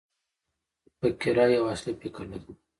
فقره یو اصلي فکر لري.